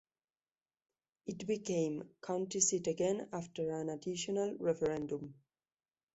It became county seat again after an additional referendum.